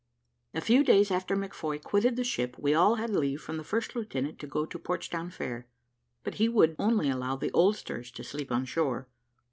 A few days after McFoy quitted the ship, we all had leave from the first lieutenant to go to Portsdown fair, but he would only allow the oldsters to sleep on shore.